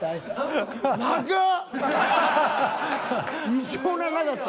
異常な長さ。